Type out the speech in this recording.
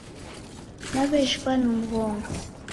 Nawejhighwa ni mghongo